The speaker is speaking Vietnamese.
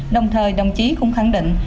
đồng thời đồng chí cũng khẳng định